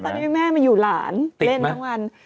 ตอนนี้แม่มาอยู่หลานเล่นทั้งวัน